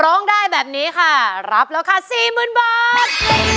ร้องได้แบบนี้นะคะรับราคาสี่หมื่นบาท